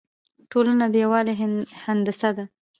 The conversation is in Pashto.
ټولنه د یووالي هندسه ده.